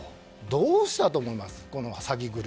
どうしたと思います？